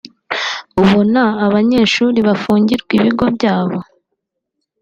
ubona abandi banyeshuri bafungirwa ibigo byabo